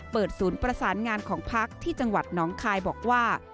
ศูนย์ประสานงานของพักที่จังหวัดน้องคายบอกว่า